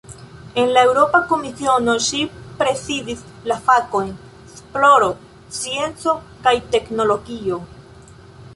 En la Eŭropa Komisiono, ŝi prezidis la fakojn "esploro, scienco kaj teknologio".